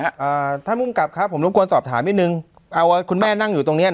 อ่าท่านภูมิกับครับผมรบกวนสอบถามนิดนึงเอาคุณแม่นั่งอยู่ตรงเนี้ย